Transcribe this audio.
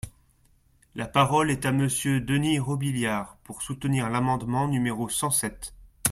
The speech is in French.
La parole est à Monsieur Denys Robiliard, pour soutenir l’amendement numéro cent sept.